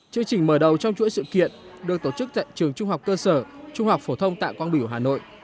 chương trình mở đầu trong chuỗi sự kiện được tổ chức tại trường trung học cơ sở trung học phổ thông tạ quang biểu hà nội